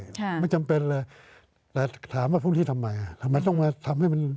ใช่ไม่จำเป็นอะไรแต่ถามว่าพวกนี้ทำไมทำไมต้องมาทำให้มัน